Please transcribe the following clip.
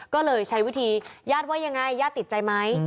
ก็เลยใช้วิธีญาติว่ายังไงญาติติดใจไหม